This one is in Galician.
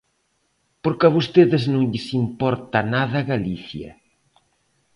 Porque a vostedes non lles importa nada Galicia.